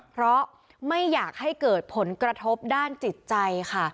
เพราะไม่อยากให้เกิดผลกระทบด้านจิตใจค่ะ